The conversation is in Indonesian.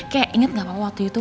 kayak inget gak pak waktu itu